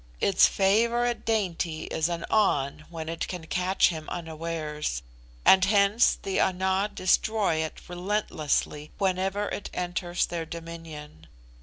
Its favourite dainty is an An when it can catch him unawares; and hence the Ana destroy it relentlessly whenever it enters their dominion.